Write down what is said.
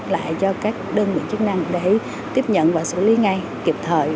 lại cho các đơn vị chức năng để tiếp nhận và xử lý ngay kịp thời